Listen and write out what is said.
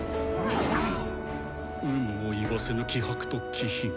有無を言わせぬ気迫と気品。